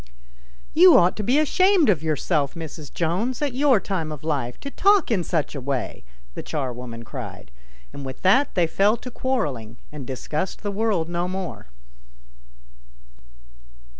"You ought to be ashamed of yourself, Mrs. Jones, at your time of life to talk in such a wajV the charwoman cried, and with that they fell to quarrelling and discussed the world no more.